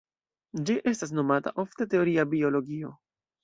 Ĝi estas nomata ofte "Teoria biologio".